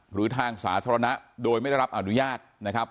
หรือทางสาธารณะโดยไม่ได้รับอนุญาตนะครับ